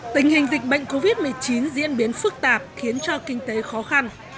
tình hình dịch bệnh covid một mươi chín diễn biến phức tạp khiến cho kinh tế khó khăn